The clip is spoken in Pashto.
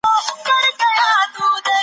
هره پريکړه خپلي ځانګړې پايلي لري.